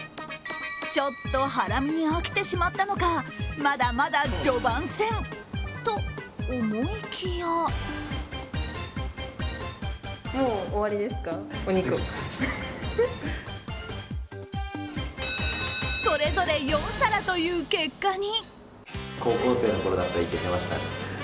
ちょっとハラミに飽きてしまったのかまだまだ序盤戦と思いきやそれぞれ４皿という結果に。